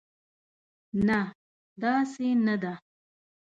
نه، داسې نه ده.